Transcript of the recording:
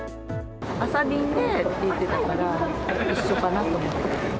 朝便でって言ってたから、一緒かなと思って。